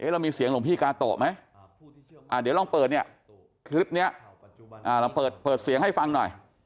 เรามีเสียงหลวงพี่กาโตะไหมเดี๋ยวลองเปิดเนี่ยคลิปนี้เราเปิดเสียงให้ฟังหน่อย